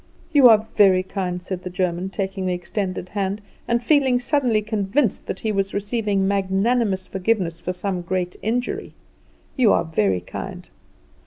"You are very kind," said the German, taking the extended hand, and feeling suddenly convinced that he was receiving magnanimous forgiveness for some great injury, "you are very kind."